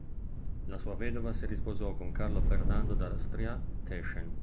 La sua vedova si risposò con Carlo Ferdinando d'Austria-Teschen.